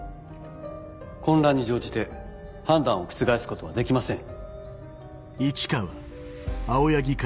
混乱に乗じて判断を覆すことはできません。